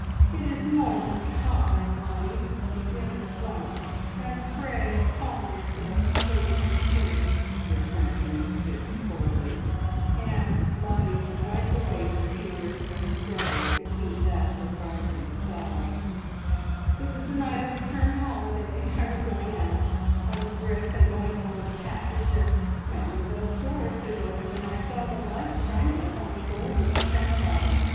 "It is more than time, Lottie. Begin at once, and pray calm yourself until you have finished!" returned Miss Phipps coldly; and Lottie wiped away her tears, and struggled to keep back the rising sobs. "It was the night of the term holiday I was going out I was dressed and going along the passage, and Mademoiselle's door stood open, and I saw the light shining upon the gold of the scent bottle.